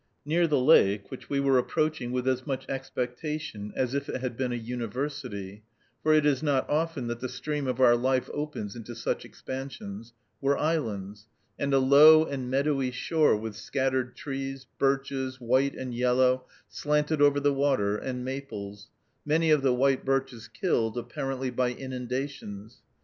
Near the lake, which we were approaching with as much expectation as if it had been a university, for it is not often that the stream of our life opens into such expansions, were islands, and a low and meadowy shore with scattered trees, birches, white and yellow, slanted over the water, and maples, many of the white birches killed, apparently by inundations.